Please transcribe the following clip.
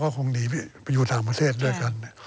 ก็คงหนีไปอยู่ต่างประเทศด้วยกัน